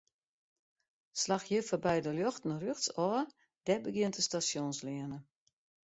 Slach hjir foarby de ljochten rjochtsôf, dêr begjint de Stasjonsleane.